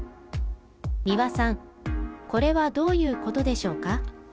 三輪さん、これはどういうことでしょうか？